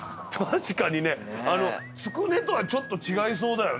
確かにねつくねとはちょっと違いそうだよね。